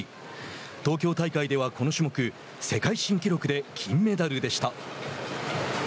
東京大会では、この種目世界新記録で金メダルでした。